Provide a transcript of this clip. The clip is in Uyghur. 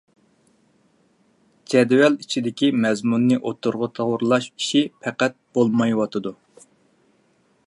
جەدۋەل ئىچىدىكى مەزمۇننى ئوتتۇرىغا توغرىلاش ئىشى پەقەت بولمايۋاتىدۇ.